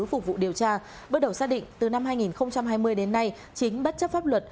phục vụ điều tra bước đầu xác định từ năm hai nghìn hai mươi đến nay chính bất chấp pháp luật